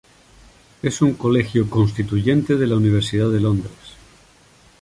Es un colegio constituyente de la Universidad de Londres.